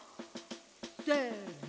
せの！